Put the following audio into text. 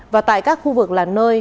và tại các khu vực là nơi